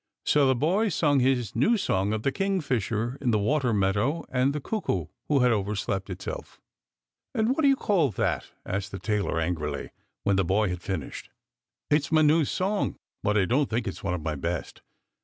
So the boy sung his new song of the kingfisher in the water meadow and the cuckoo who had over slept itself. " And what do you call that ?" asked the tailor angrily, when the boy had finished. " It's my new song, but I don't think it's one of iny best."